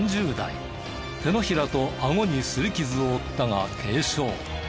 手のひらとあごにすり傷を負ったが軽傷。